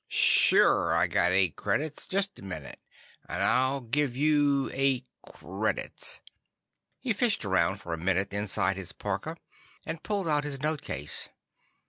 "Sure I got eight credits. Just a minute, and I'll give you eight credits." He fished around for a minute inside his parka, and pulled out his notecase.